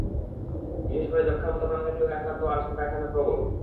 বিশেষ করে যক্ষ্মার মতো প্রাণঘাতী রোগে আক্রান্ত হওয়ার আশঙ্কা এখানে প্রবল।